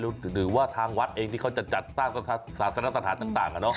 หรือว่าทางวัดเองที่เขาจะจัดสร้างศาสนสถานต่าง